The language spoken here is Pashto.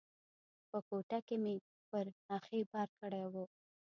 په کوټه کې مې پر اخښي بار کړی و.